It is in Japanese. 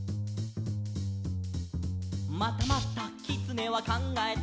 「またまたきつねはかんがえた」